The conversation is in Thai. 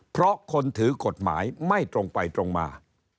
เพราะคนถือกฎหมายไม่ตรงไปตรงมา